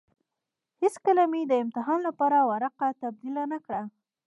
هېڅکله مې يې د امتحان لپاره ورقه تبديله نه کړه.